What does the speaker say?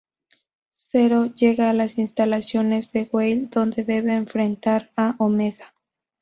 Zero llega a las instalaciones de Weil donde debe enfrentar a Omega.